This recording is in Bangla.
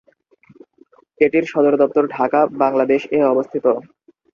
এটির সদরদপ্তর ঢাকা, বাংলাদেশ এ অবস্থিত।